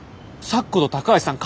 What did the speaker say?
咲子と高橋さん